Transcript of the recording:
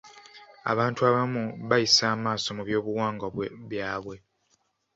Abantu abamu bayisa amaaso mu by'obuwangwa byabwe.